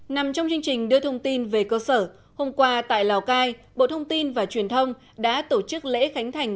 nằm trong chương trình đưa thông tin về cơ sở hôm qua tại lào cai bộ thông tin và truyền thông đã tổ chức lễ khánh thành